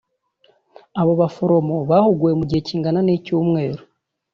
Aba baforomo bahuguwe mu gihe kingana n’icyumweru